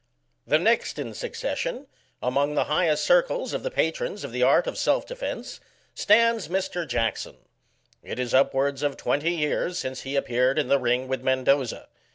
The next in succession, among the highest circles of the patrons of the art of self defence, stands Mr. Jackson. It is upwards of twenty years since he appeared in the ring with Mendoza.